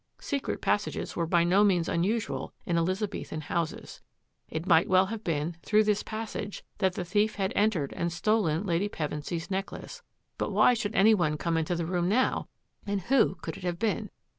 Secret passages were by no means unusual in Elizabethan houses. It might well have been through this passage that the thief had entered and stolen Lady Pevensy's necklace, but why should any one come into the room now, and who could it have been.''